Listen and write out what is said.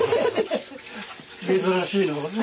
珍しいのね。